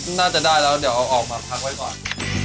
น่าจะได้แล้วเดี๋ยวเอาออกมาพักไว้ก่อน